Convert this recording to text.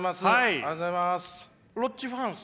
ありがとうございます。